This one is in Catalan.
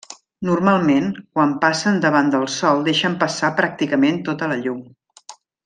Normalment, quan passen davant del sol deixen passar pràcticament tota la llum.